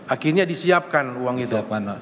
akhirnya disiapkan uang itu